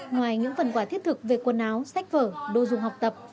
ngoài những phần quà thiết thực về quần áo sách vở đồ dùng học tập